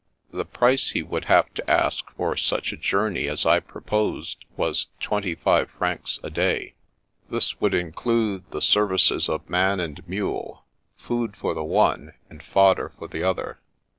The price he would have to ask for such a journey as I proposed was twenty five francs a day. This would include the services of man and mule, food for the one, and fodder for the other.